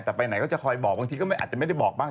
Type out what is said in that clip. แต่ไปไหนก็จะคอยบอกบางทีก็อาจจะไม่ได้บอกบ้าง